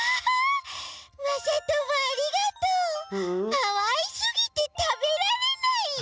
かわいすぎてたべられないよ！